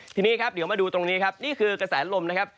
ทีนี้ครับเดี๋ยวมาดูตรงนี้ครับนี่คือกระแสลมนะครับ